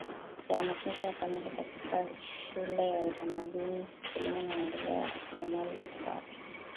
ya wanafunzi ya kamili katika shule ya utamaduni elimu na Maendeleo ya rasilimali watu